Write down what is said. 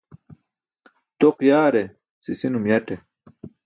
Toq yare sisinum yaṭe